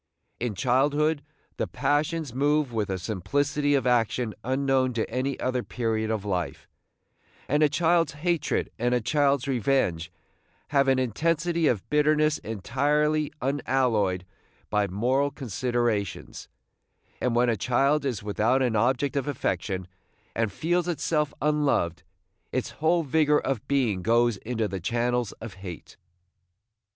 In childhood the passions move with a simplicity of action unknown to any other period of life, and a child's hatred and a child's revenge have an intensity of bitterness entirely unalloyed by moral considerations; and when a child is without an object of affection, and feels itself unloved, its whole vigor of being goes into the channels of hate.